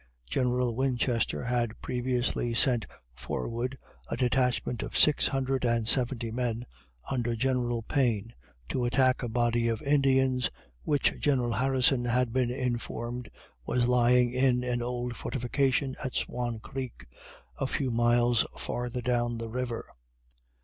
General Winchester had previously sent forward a detachment of six hundred and seventy men, under General Payne, to attack a body of Indians which General Harrison had been informed was lying in an old fortification at Swan creek, a few miles farther down the river.